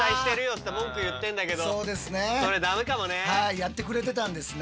やってくれてたんですね。